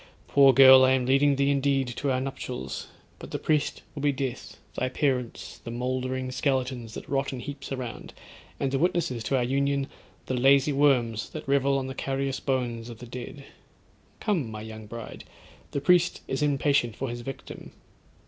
Poor girl, I am leading thee indeed to our nuptials; but the priest will be death, thy parents the mouldering skeletons that rot in heaps around; and the witnesses to our union, the lazy worms that revel on the carious bones of the dead. Come, my young bride, the priest is impatient for his victim.'